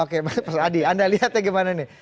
oke mas adi anda lihatnya gimana nih